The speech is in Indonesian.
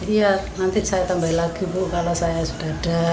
iya nanti saya tambahin lagi bu kalau saya sudah ada